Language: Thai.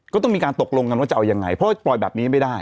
ก็ต้องมีการตกลงกันว่าจะเอายังไงเพราะว่าปล่อยแบบนี้ไม่ได้